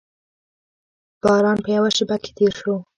باران په یوه شېبه کې تېر شو.